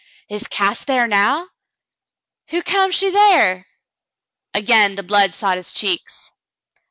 "Is Cass thar now ? Hu' come she thar ?" Again the blood sought his cheeks.